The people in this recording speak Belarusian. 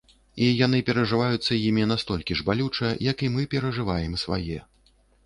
І яны перажываюцца імі настолькі ж балюча, як і мы перажываем свае.